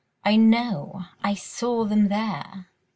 "I know. I saw them there."